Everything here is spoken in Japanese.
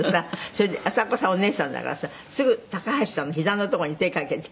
「それで浅丘さんはお姉さんだからさすぐ高橋さんの膝の所に手かけて。